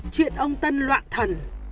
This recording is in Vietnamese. chuyện ông tân loạn thần